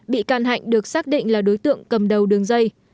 bị can hạnh được xác định là đối tượng cầm đầu đường dây